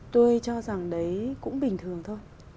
tôi cho rằng đấy cũng bình thường thôi